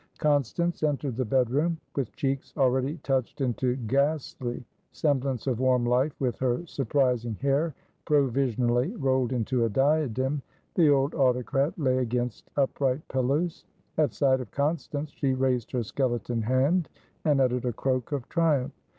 Constance entered the bedroom. With cheeks already touched into ghastly semblance of warm life, with her surprising hair provisionally rolled into a diadem, the old autocrat lay against upright pillows. At sight of Constance, she raised her skeleton hand, and uttered a croak of triumph.